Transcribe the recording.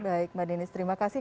baik mbak denis terima kasih